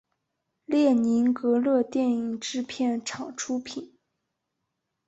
列宁格勒电影制片厂出品。